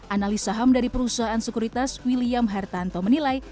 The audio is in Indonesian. analis saham dari perusahaan sekuritas william hertanto menilai